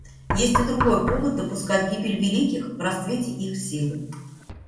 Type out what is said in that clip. Есть и другой повод допускать гибель великих в расцвете их силы.